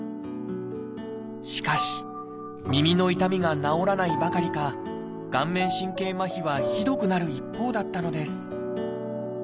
しかし耳の痛みが治らないばかりか顔面神経麻痺はひどくなる一方だったのです。